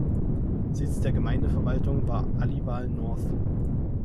Sitz der Gemeindeverwaltung war Aliwal North.